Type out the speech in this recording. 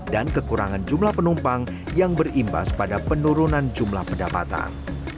dan kekurangan jumlah penumpang yang berimbas pada penurunan jumlah pendapatan